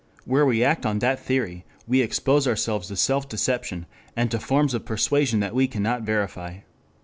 Where we act on that theory we expose ourselves to self deception, and to forms of persuasion that we cannot verify.